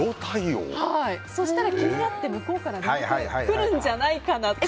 そしたら気になって向こうからくるんじゃないかなと。